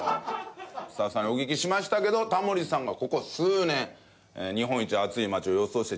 スタッフさんにお聞きしましたけどタモリさんがここ数年日本一暑い街を予想して実際にこれ訪ねてるという。